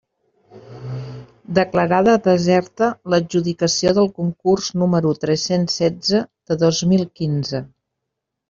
Declarada deserta l'adjudicació del concurs número tres-cents setze de dos mil quinze.